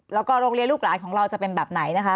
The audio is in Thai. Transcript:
แล้วก็โรงเรียนลูกหลานของเราจะเป็นแบบไหนนะคะ